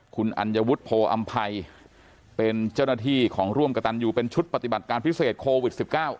คุณอัญวุฒิโพออำภัยเป็นเจ้าหน้าที่ของร่วมกระตันอยู่เป็นชุดปฏิบัติการพิเศษโควิด๑๙